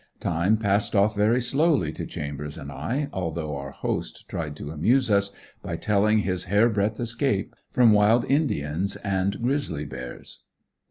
Time passed off very slowly to Chambers and I, although our host tried to amuse us by telling his hairbreadth escapes from wild indians and grizzly bears.